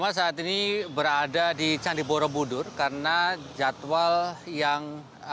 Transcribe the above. mas saat ini berada di candi borobudur karena jadwal yang